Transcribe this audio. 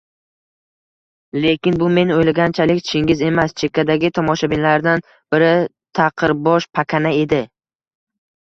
Lekin bu men oʻylaganchalik Chingiz emas, chekkadagi tomoshabinlardan biri – taqirbosh pakana edi.